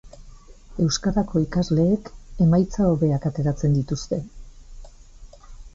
Euskarako ikasleek emaitza hobeak ateratzen dituzte.